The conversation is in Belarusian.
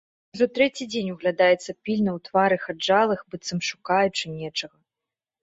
Ён ужо трэці дзень углядаецца пільна ў твары хаджалых, быццам шукаючы нечага.